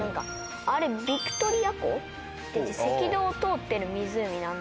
あれビクトリア湖って赤道を通ってる湖なんで。